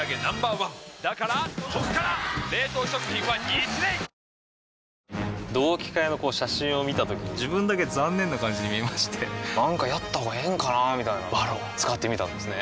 サントリー「ＶＡＲＯＮ」同期会の写真を見たときに自分だけ残念な感じに見えましてなんかやったほうがええんかなーみたいな「ＶＡＲＯＮ」使ってみたんですね